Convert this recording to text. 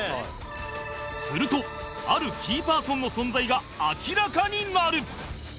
するとあるキーパーソンの存在が明らかになる